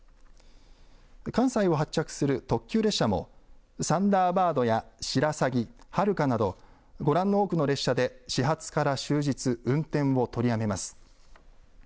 関西を発着する特急列車もサンダーバードやしらさぎ、はるかなどご覧の多くの列車で始発から終日運転を取りやめます。